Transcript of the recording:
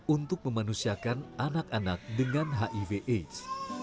untuk memanusiakan anak anak dengan hiv aids